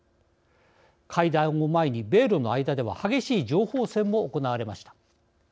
会談を前に米ロの間では激しい情報戦も行われました。